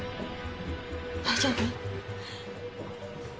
大丈夫？